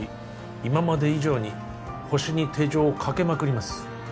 今まで以上にホシに手錠をかけまくります